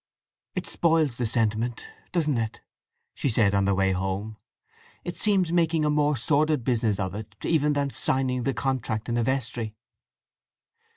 "It spoils the sentiment, doesn't it!" she said on their way home. "It seems making a more sordid business of it even than signing the contract in a vestry.